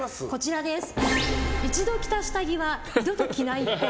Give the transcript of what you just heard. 一度着た下着は二度と着ないっぽい。